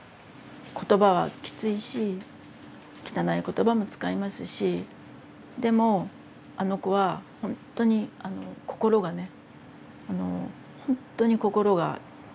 言葉はきついし汚い言葉も使いますしでもあの子はほんとにあの心がねあのほんとに心がきれい。